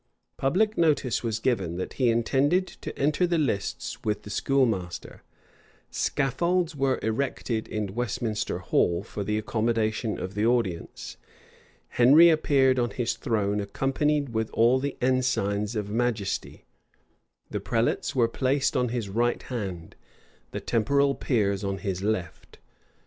Public notice was given that he intended to enter the lists with the schoolmaster: scaffolds were erected in Westminster Hall, for the accommodation of the audience: Henry appeared on his throne accompanied with all the ensigns of majesty: the prelates were placed on his right hand: the temporal peers on his left.